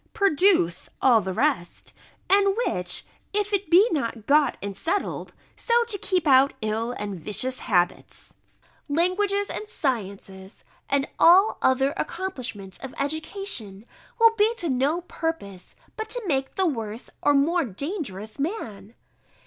_] "produce all the rest; and which, if it be not got and settled, so to keep out ill and vicious habits, languages and sciences, and all the other accomplishments of education, will be to no purpose, but to make the worse or more dangerous man."